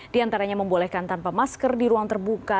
di antaranya membolehkan tanpa masker di ruang terbuka